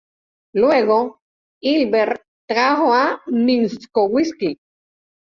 Luego, Hilbert trajo a Minkowski.